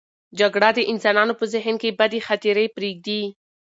جګړه د انسانانو په ذهن کې بدې خاطرې پرېږدي.